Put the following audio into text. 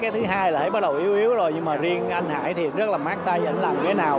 cái thứ hai là hãy bắt đầu yếu yếu rồi nhưng mà riêng anh hải thì rất là mát tay anh làm cái nào